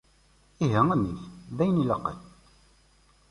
Ihi amek! D ayen ilaqen.